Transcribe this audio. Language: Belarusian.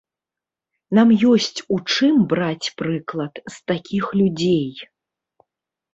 Нам ёсць у чым браць прыклад з такіх людзей.